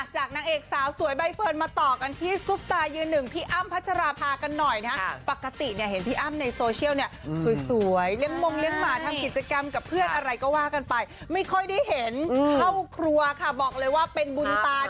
นางเอกสาวสวยใบเฟิร์นมาต่อกันที่ซุปตายืนหนึ่งพี่อ้ำพัชราภากันหน่อยนะปกติเนี่ยเห็นพี่อ้ำในโซเชียลเนี่ยสวยเลี้ยงมงเลี้ยหมาทำกิจกรรมกับเพื่อนอะไรก็ว่ากันไปไม่ค่อยได้เห็นเข้าครัวค่ะบอกเลยว่าเป็นบุญตา